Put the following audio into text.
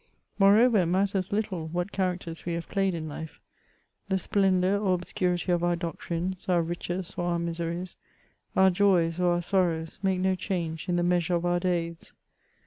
Moreover it matters little, what characters we have played in life ; the splendour or obscurity of our doc trines, our riches or our miseries, our joys or our sorrows, make no change in the measure of our days.